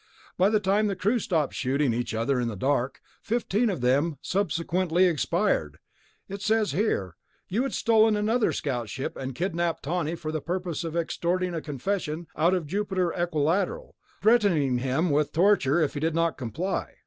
By the time the crew stopped shooting each other in the dark ... fifteen of them subsequently expired, it says here ... you had stolen another scout ship and kidnapped Tawney for the purpose of extorting a confession out of Jupiter Equilateral, threatening him with torture if he did not comply...."